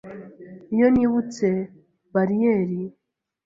Iyo nibutse bariyeri